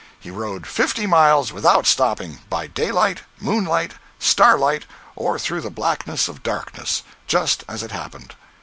He rode fifty miles without stopping, by daylight, moonlight, starlight, or through the blackness of darkness—just as it happened.